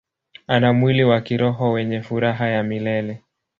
Ana mwili wa kiroho wenye furaha ya milele.